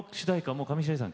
もう上白石さん